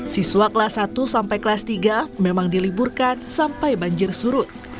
siswa kelas satu sampai kelas tiga memang diliburkan sampai banjir surut